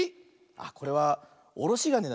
あっこれはおろしがねだね。